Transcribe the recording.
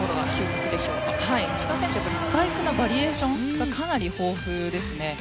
スパイクのバリエーションがかなり豊富ですね。